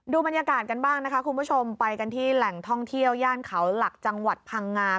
บรรยากาศกันบ้างนะคะคุณผู้ชมไปกันที่แหล่งท่องเที่ยวย่านเขาหลักจังหวัดพังงา